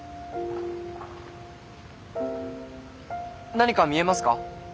何か見えますか？